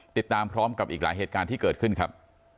ติดตามพร้อมกับอีกหลายเหตุการณ์ที่เกิดขึ้นครับ